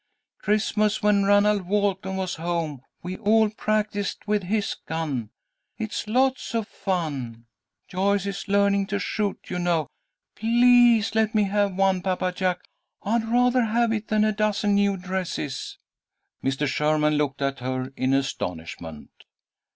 Christmas, when Ranald Walton was home, we all practised with his gun. It's lots of fun. Joyce is learning to shoot, you know. Please let me have one, Papa Jack. I'd rather have it than a dozen new dresses." Mr. Sherman looked at her in astonishment.